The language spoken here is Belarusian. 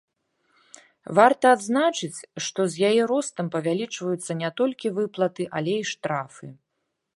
Варта адзначыць, што з яе ростам павялічваюцца не толькі выплаты, але і штрафы.